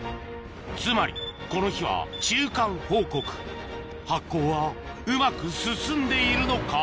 つまりこの日は中間報告発酵はうまく進んでいるのか？